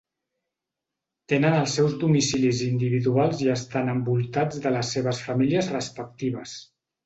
Tenen els seus domicilis individuals i estan envoltats de les seves famílies respectives.